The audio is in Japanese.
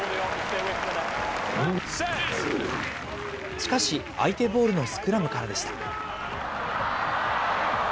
しかし、相手ボールのスクラムからでした。